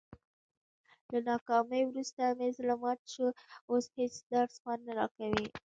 له ناکامۍ ورسته مې زړه مات شو، اوس هېڅ درس خوند نه راکوي.